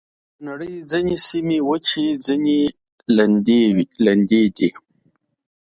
د نړۍ ځینې سیمې وچې، ځینې لمدې دي.